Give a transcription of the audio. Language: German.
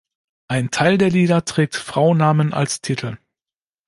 Ein Teil der Lieder trägt Frauennamen als Titel.